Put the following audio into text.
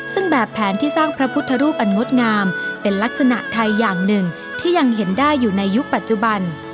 ซึ่งแบบแผนที่สร้างพระพุทธรูปอันงดงามเป็นลักษณะไทยอย่างหนึ่งที่ยังเห็นได้อยู่ในยุคปัจจุบัน